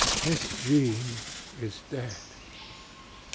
ŌĆ£MISS JEAN IS DEAD!